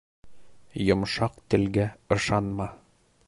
Йомшаҡ телгә ышанма.